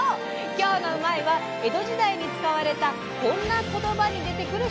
今日の「うまいッ！」は江戸時代に使われたこんな言葉に出てくる